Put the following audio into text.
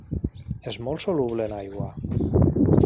És molt soluble en aigua.